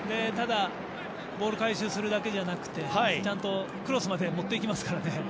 ただボールを回収するだけでなくちゃんとクロスまでもっていきますからね。